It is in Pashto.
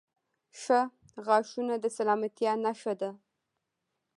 • ښه غاښونه د سلامتیا نښه ده.